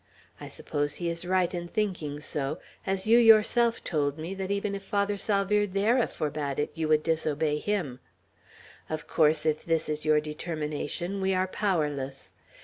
I suppose he is right in thinking so, as you yourself told me that even if Father Salvierderra forbade it, you would disobey him. Of course, if this is your determination, we are powerless.